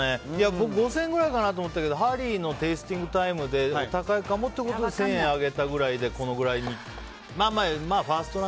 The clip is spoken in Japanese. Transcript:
僕、５０００円くらいかなと思ったけどハリーのテイスティングタイムでお高いかもってことで１０００円上げたくらいでこのくらいに。